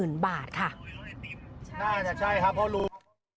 น่าจะใช่ครับเพราะรู้